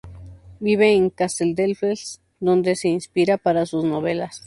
Vive en Casteldefels, donde se inspira para sus novelas.